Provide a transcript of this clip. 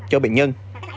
cho bệnh nhân